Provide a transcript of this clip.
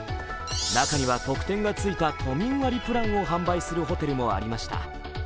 中には、特典がついた都民割プランを販売するホテルもありました。